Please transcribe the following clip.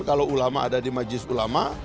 kalau ulama ada di majlis ulama